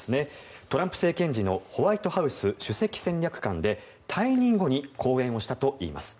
トランプ政権時のホワイトハウス首席戦略官で退任後に講演をしたといいます。